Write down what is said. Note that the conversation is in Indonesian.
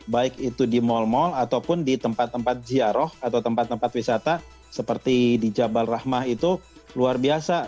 baik itu di mal mal ataupun di tempat tempat ziaroh atau tempat tempat wisata seperti di jabal rahmah itu luar biasa